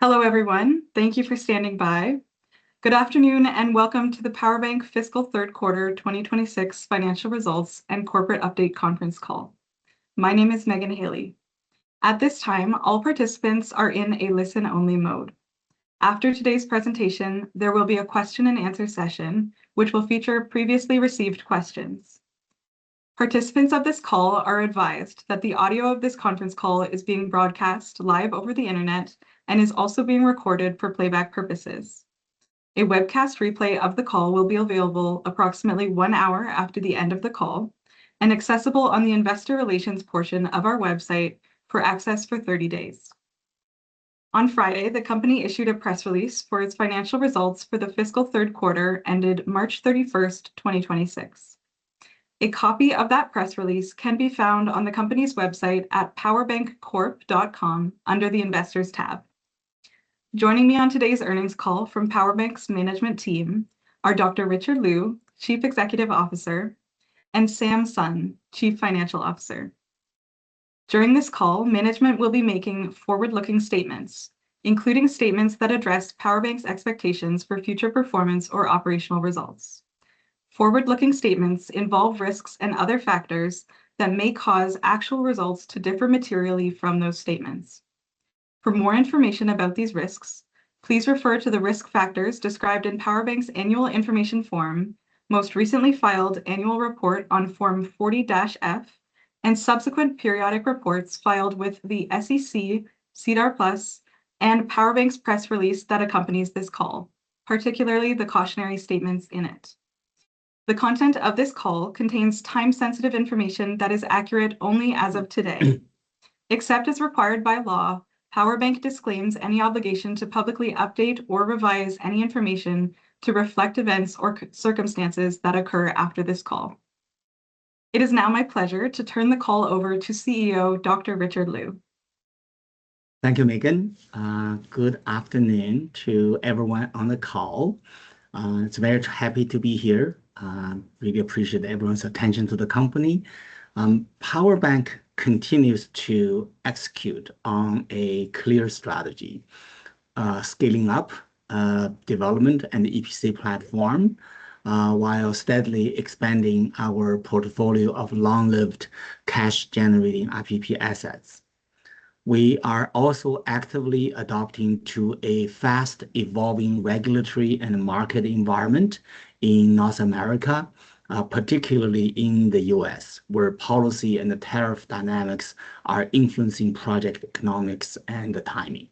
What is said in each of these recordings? Hello, everyone. Thank you for standing by. Good afternoon, and welcome to the PowerBank fiscal third quarter 2026 financial results and corporate update conference call. My name is Megan Haley. At this time, all participants are in a listen-only mode. After today's presentation, there will be a question and answer session which will feature previously received questions. Participants of this call are advised that the audio of this conference call is being broadcast live over the Internet and is also being recorded for playback purposes. A webcast replay of the call will be available approximately one hour after the end of the call and accessible on the investor relations portion of our website for access for 30 days. On Friday, the company issued a press release for its financial results for the fiscal third quarter ended March 31st, 2026. A copy of that press release can be found on the company's website at powerbankcorp.com under the Investors tab. Joining me on today's earnings call from PowerBank's management team are Dr. Richard Lu, Chief Executive Officer, and Sam Sun, Chief Financial Officer. During this call, management will be making forward-looking statements, including statements that address PowerBank's expectations for future performance or operational results. Forward-looking statements involve risks and other factors that may cause actual results to differ materially from those statements. For more information about these risks, please refer to the risk factors described in PowerBank's annual information form, most recently filed annual report on Form 40-F, and subsequent periodic reports filed with the SEC, SEDAR+, and PowerBank's press release that accompanies this call, particularly the cautionary statements in it. The content of this call contains time-sensitive information that is accurate only as of today. Except as required by law, PowerBank disclaims any obligation to publicly update or revise any information to reflect events or circumstances that occur after this call. It is now my pleasure to turn the call over to CEO, Dr. Richard Lu. Thank you, Megan. Good afternoon to everyone on the call. It's very happy to be here. Really appreciate everyone's attention to the company. PowerBank continues to execute on a clear strategy, scaling up development and the EPC platform, while steadily expanding our portfolio of long-lived cash-generating IPP assets. We are also actively adapting to a fast-evolving regulatory and market environment in North America, particularly in the U.S., where policy and the tariff dynamics are influencing project economics and the timing.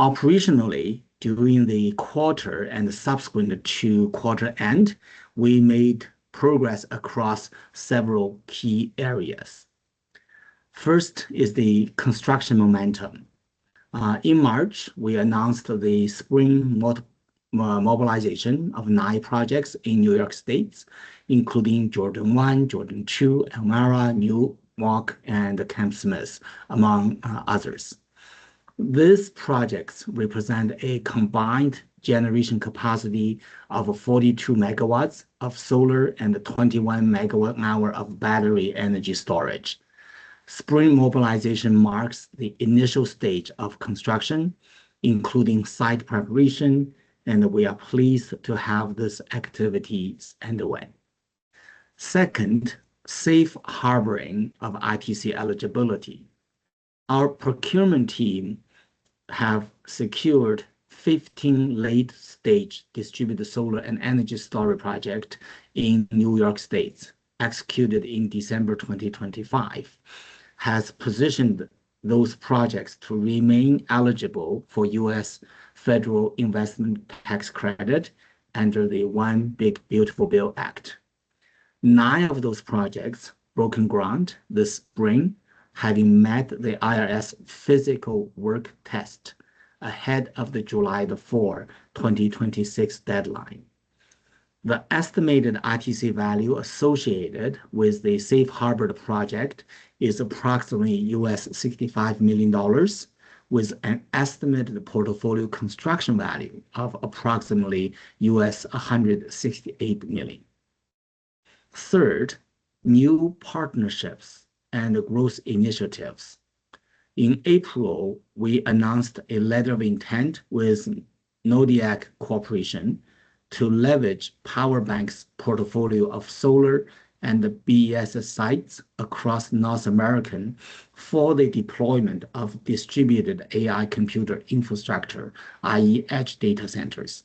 Operationally, during the quarter and subsequent to quarter end, we made progress across several key areas. First is the construction momentum. In March, we announced the spring mobilization of nine projects in New York State, including Jordan One, Jordan Two, Elmira, Newark, and Camp Smith, among others. These projects represent a combined generation capacity of 42 MW of solar and 21 MW power of battery energy storage. Spring mobilization marks the initial stage of construction, including site preparation, we are pleased to have these activities underway. Second, Safe Harboring of ITC eligibility. Our procurement team have secured 15 late-stage distributed solar and energy storage project in New York State, executed in December 2025, has positioned those projects to remain eligible for U.S. federal investment tax credit under the One Big Beautiful Bill Act. Nine of those projects broken ground this spring, having met the IRS physical work test ahead of the July the 4th, 2026 deadline. The estimated ITC value associated with the Safe Harbor project is approximately $65 million, with an estimated portfolio construction value of approximately $168 million. Third, new partnerships and growth initiatives. In April, we announced a letter of intent with Nodiac Corporation to leverage PowerBank's portfolio of solar and BESS sites across North American for the deployment of distributed AI computer infrastructure, i.e. edge data centers.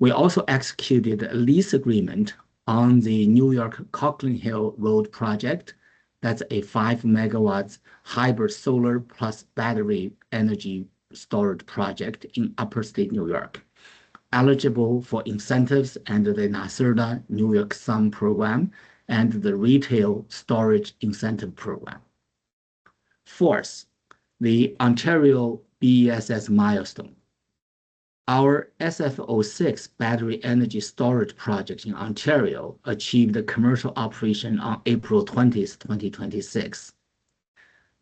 We also executed a lease agreement on the New York Cocklan Hill Road project. That's a 5 MW hybrid solar plus battery energy storage project in Upstate New York, eligible for incentives under the NYSERDA New York Sun Program and the Retail Energy Storage Incentive Program. Fourth, the Ontario BESS milestone. Our SFF-06 battery energy storage project in Ontario achieved the commercial operation on April 20, 2026.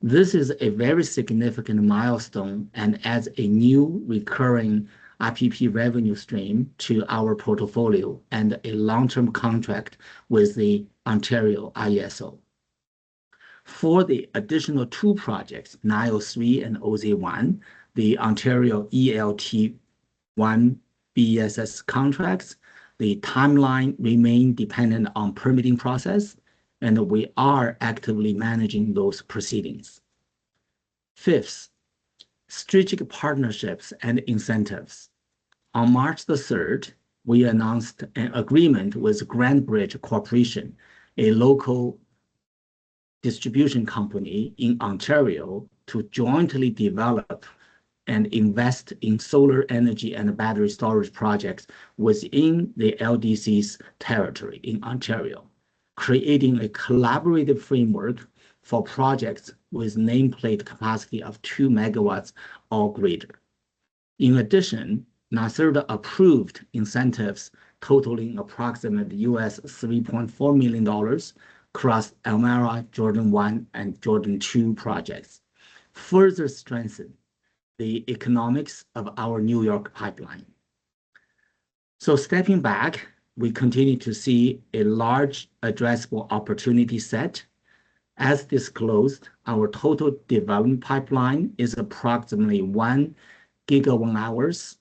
This is a very significant milestone and adds a new recurring IPP revenue stream to our portfolio and a long-term contract with the Ontario IESO. For the additional two projects, Nile 3 and OZ 1, the Ontario E-LT1 BESS contracts, the timeline remain dependent on permitting process, and we are actively managing those proceedings. Fifth, strategic partnerships and incentives. On March the 3rd, we announced an agreement with GrandBridge Corporation, a local distribution company in Ontario, to jointly develop and invest in solar energy and battery storage projects within the LDC's territory in Ontario, creating a collaborative framework for projects with nameplate capacity of 2 MW or greater. In addition, NYSERDA approved incentives totaling approximately $3.4 million across Elmira, Jordan 1, and Jordan 2 projects, further strengthen the economics of our New York pipeline. Stepping back, we continue to see a large addressable opportunity set. As disclosed, our total development pipeline is approximately 1 GWh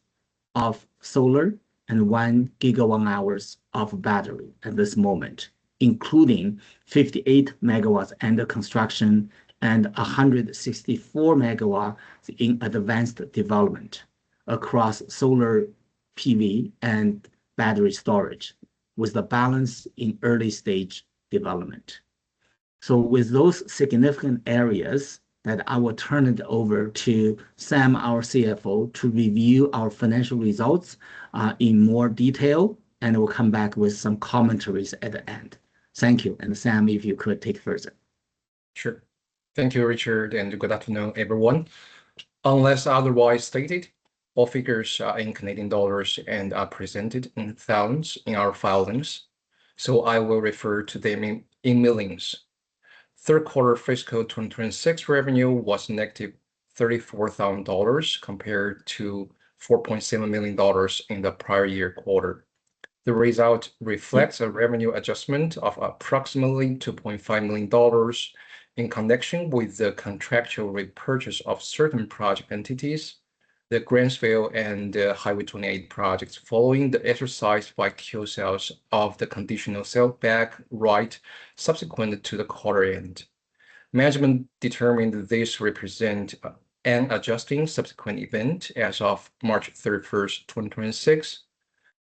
of solar and 1 GWh of battery at this moment, including 58 MW under construction and 164 megawatts in advanced development across solar PV and battery storage, with the balance in early stage development. With those significant areas that I will turn it over to Sam, our CFO, to review our financial results in more detail, and we'll come back with some commentaries at the end. Thank you. Sam, if you could take it further. Sure. Thank you, Richard, good afternoon, everyone. Unless otherwise stated, all figures are in Canadian dollars and are presented in thousands in our filings, I will refer to them in millions. Third quarter fiscal 2026 revenue was -34,000 dollars compared to 4.7 million dollars in the prior year quarter. The result reflects a revenue adjustment of approximately 2.5 million dollars in connection with the contractual repurchase of certain project entities, the Grantsville and Highway twenty-eight projects, following the exercise by Qcells of the conditional sale back right subsequent to the quarter end. Management determined this represent an adjusting subsequent event as of March 31st, 2026.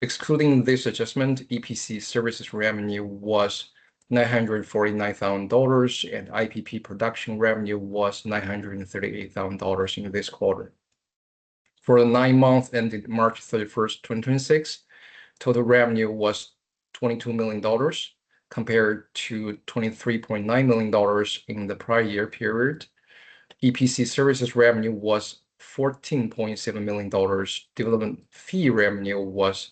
Excluding this adjustment, EPC services revenue was 949,000 dollars, IPP production revenue was 938,000 dollars in this quarter. For the nine months ending March 31st, 2026, total revenue was 22 million dollars, compared to 23.9 million dollars in the prior-year period. EPC services revenue was 14.7 million dollars. Development fee revenue was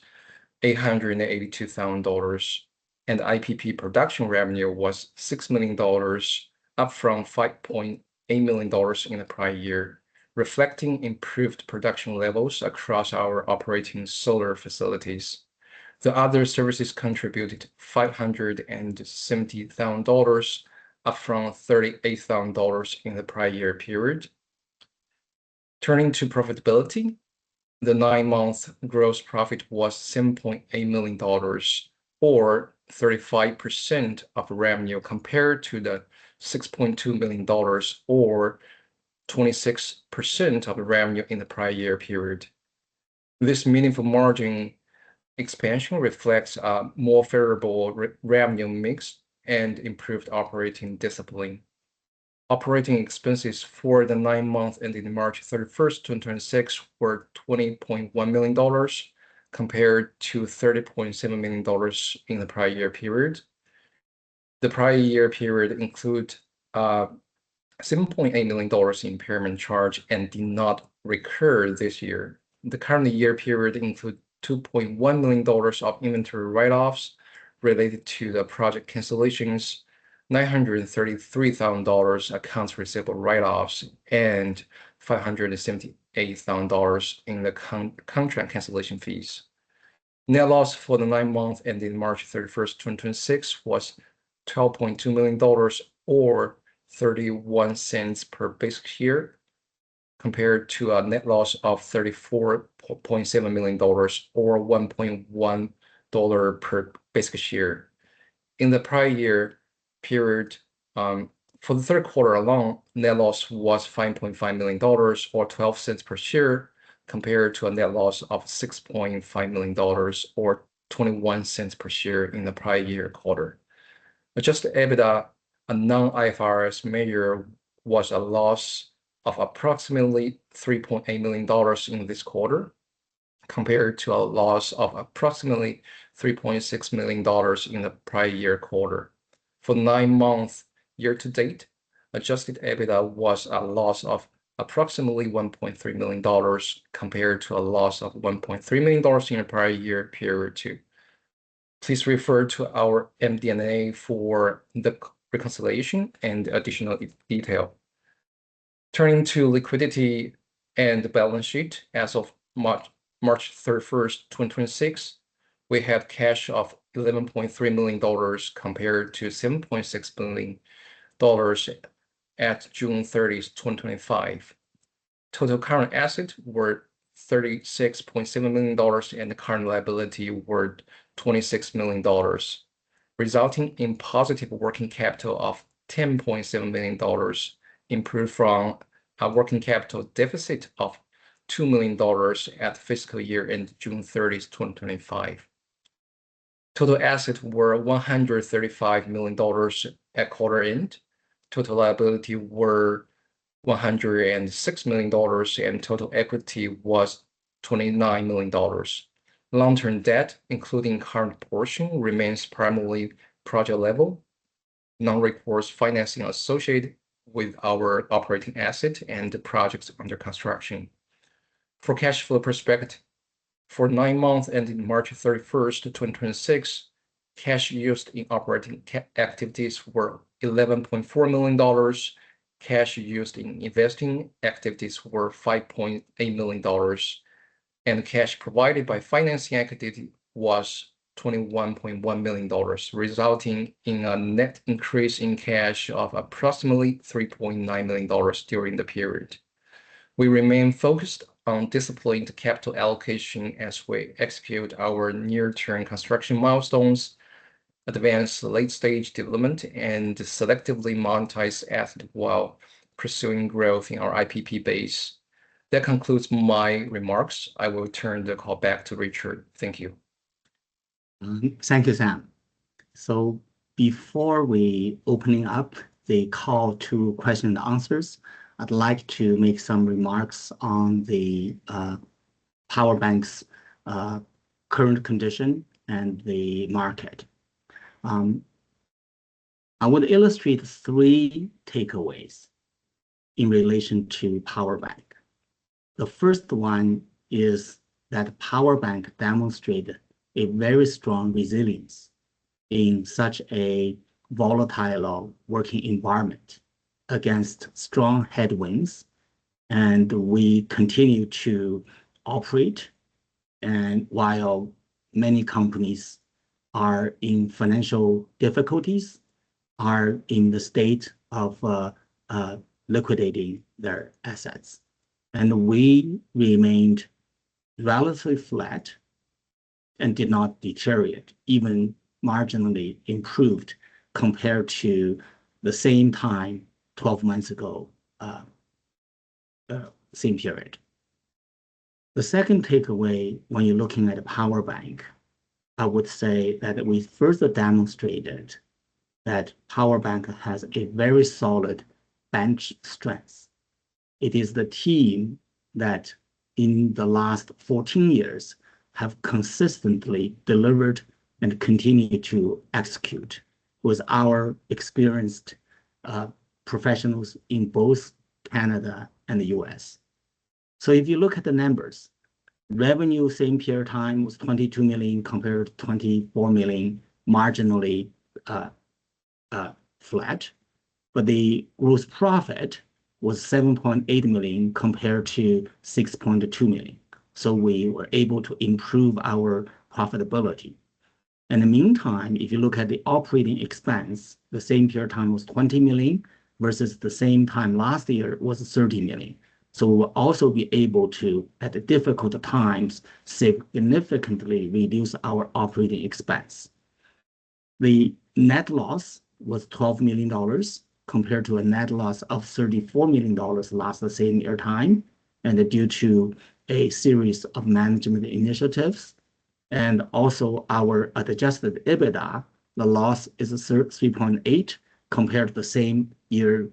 882,000 dollars. IPP production revenue was 6 million dollars, up from 5.8 million dollars in the prior year, reflecting improved production levels across our operating solar facilities. The other services contributed 570,000 dollars, up from 38,000 dollars in the prior-year period. Turning to profitability, the nine-month gross profit was 7.8 million dollars or 35% of revenue, compared to 6.2 million dollars or 26% of the revenue in the prior-year period. This meaningful margin expansion reflects a more favorable revenue mix and improved operating discipline. Operating expenses for the nine months ending March 31st, 2026 were 20.1 million dollars, compared to 30.7 million dollars in the prior year period. The prior year period included 7.8 million dollars impairment charge and did not recur this year. The current year period included 2.1 million dollars of inventory write-offs related to the project cancellations, 933,000 dollars accounts receivable write-offs, and 578,000 dollars in the contract cancellation fees. Net loss for the nine months ending March 31st, 2026 was 12.2 million dollars or 0.31 per basic share, compared to a net loss of 34.7 million dollars or 1.10 dollar per basic share. In the prior-year period, for the third quarter alone, net loss was 5.5 million dollars or 0.12 per share, compared to a net loss of 6.5 million dollars or 0.21 per share in the prior-year quarter. Adjusted EBITDA, a non-IFRS measure, was a loss of approximately 3.8 million dollars in this quarter, compared to a loss of approximately 3.6 million dollars in the prior-year quarter. For nine-month year-to-date, adjusted EBITDA was a loss of approximately 1.3 million dollars, compared to a loss of 1.3 million dollars in the prior-year period too. Please refer to our MD&A for the reconciliation and additional detail. Turning to liquidity and the balance sheet. As of March 31st, 2026, we have cash of 11.3 million dollars compared to 7.6 billion dollars at June 30, 2025. Total current assets were 36.7 million dollars, and the current liability were 26 million dollars, resulting in positive working capital of 10.7 million dollars, improved from a working capital deficit of 2 million dollars at fiscal year end June 30, 2025. Total assets were 135 million dollars at quarter end. Total liability were 106 million dollars, and total equity was 29 million dollars. Long-term debt, including current portion, remains primarily project level, non-recourse financing associated with our operating asset and projects under construction. For cash flow perspective, for nine months ending March 31st, 2026, cash used in operating activities were 11.4 million dollars. Cash used in investing activities were 5.8 million dollars. Cash provided by financing activity was 21.1 million dollars, resulting in a net increase in cash of approximately 3.9 million dollars during the period. We remain focused on disciplined capital allocation as we execute our near-term construction milestones, advance the late-stage development, and selectively monetize asset while pursuing growth in our IPP base. That concludes my remarks. I will turn the call back to Richard. Thank you. Thank you, Sam. Before we opening up the call to question and answers, I'd like to make some remarks on the PowerBank's current condition and the market. I want to illustrate three takeaways in relation to PowerBank. The first one is that PowerBank demonstrated a very strong resilience in such a volatile working environment against strong headwinds, and we continue to operate. While many companies are in financial difficulties, are in the state of liquidating their assets, and we remained relatively flat and did not deteriorate, even marginally improved compared to the same time 12 months ago, same period. The second takeaway when you're looking at a PowerBank, I would say that we further demonstrated that PowerBank has a very solid bench strength. It is the team that in the last 14 years have consistently delivered and continue to execute with our experienced professionals in both Canada and the U.S. If you look at the numbers, revenue same period time was 22 million compared to 24 million, marginally flat, but the gross profit was 7.8 million compared to 6.2 million. We were able to improve our profitability. In the meantime, if you look at the operating expense, the same period time was 20 million, versus the same time last year, it was 30 million. We'll also be able to, at the difficult times, significantly reduce our operating expense. The net loss was 12 million dollars compared to a net loss of 34 million dollars last same period time, and due to a series of management initiatives. Also our adjusted EBITDA, the loss is 3.8 million compared to the same year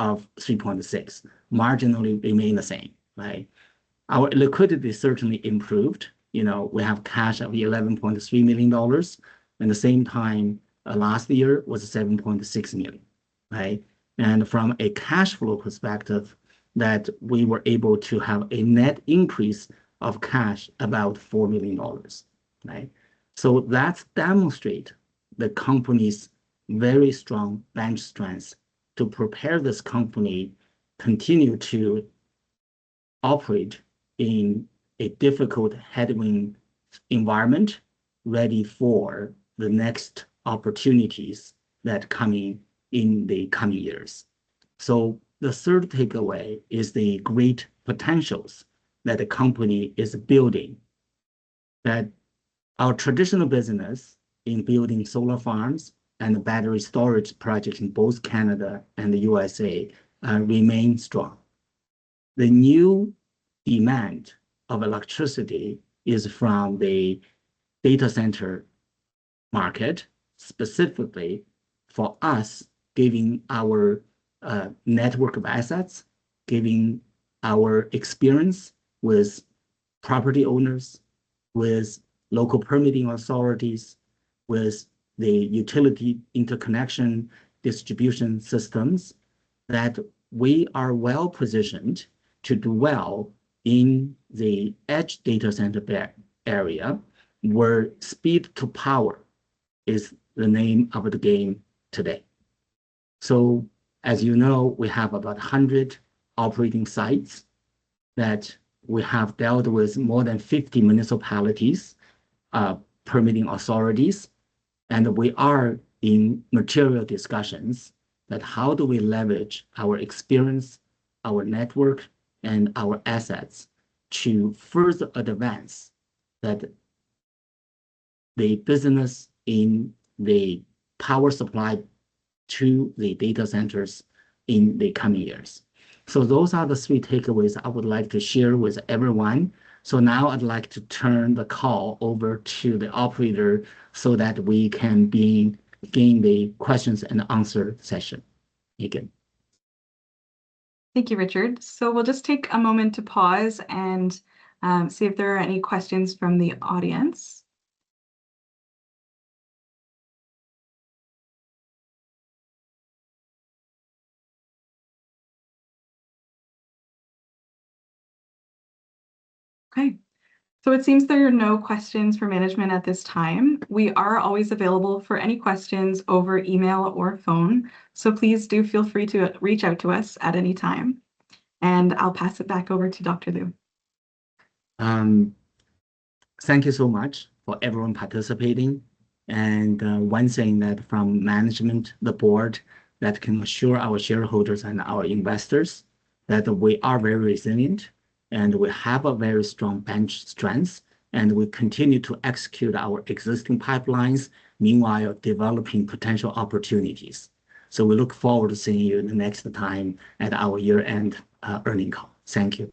of 3.6 million. Marginally remain the same. Right? Our liquidity certainly improved. You know, we have cash of 11.3 million dollars. In the same time last year was 7.6 million. Right? From a cash flow perspective, that we were able to have a net increase of cash about 4 million dollars. Right? That demonstrate the company's very strong bench strength to prepare this company continue to operate in a difficult headwind environment, ready for the next opportunities that coming in the coming years. The third takeaway is the great potentials that the company is building, that our traditional business in building solar farms and battery storage projects in both Canada and the U.S.A., remain strong. The new demand of electricity is from the data center market, specifically for us, giving our network of assets, giving our experience with property owners, with local permitting authorities, with the utility interconnection distribution systems, that we are well-positioned to do well in the edge data center area, where speed to power is the name of the game today. As you know, we have about 100 operating sites that we have dealt with more than 50 municipalities, permitting authorities. We are in material discussions that how do we leverage our experience, our network, and our assets to further advance that the business in the power supply to the data centers in the coming years. Those are the three takeaways I would like to share with everyone. Now I'd like to turn the call over to the operator so that we can begin the questions and answer session. Megan. Thank you, Richard. We'll just take a moment to pause and see if there are any questions from the audience. Okay. It seems there are no questions for management at this time. We are always available for any questions over email or phone, so please do feel free to reach out to us at any time. I'll pass it back over to Dr. Lu. Thank you so much for everyone participating. One thing that from management, the board, that can assure our shareholders and our investors that we are very resilient, and we have a very strong bench strength, and we continue to execute our existing pipelines, meanwhile developing potential opportunities. We look forward to seeing you the next time at our year-end, earnings call. Thank you